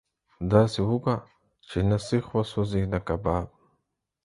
داسي وکه چې نه سيخ وسوځي نه کباب.